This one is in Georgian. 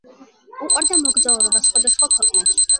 უყვარდა მოგზაურობა სხვადასხვა ქვეყნებში.